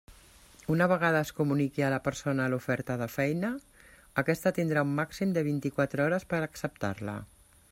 Una vegada es comuniqui a la persona l'oferta de feina, aquesta tindrà un màxim de vint-i-quatre hores per acceptar-la.